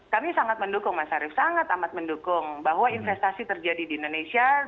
kami sangat mendukung mas arief sangat amat mendukung bahwa investasi terjadi di indonesia